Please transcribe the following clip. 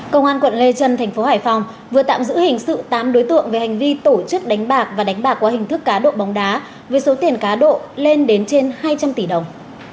công an quận lê trân thành phố hải phòng vừa tạm giữ hình sự tám đối tượng về hành vi tổ chức đánh bạc và đánh bạc qua hình thức cá độ bóng đá với số tiền cá độ lên đến trên hai trăm linh tỷ đồng